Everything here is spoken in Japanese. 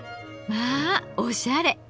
まあおしゃれ！